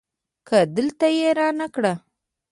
که دلته يي رانه کړ